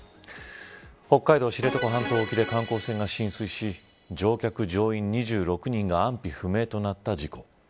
北海道知床半島沖で観光船が浸水し、乗客乗員２６人が安否不明となった事故。